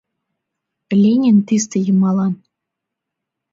Ленин тисте йымалан.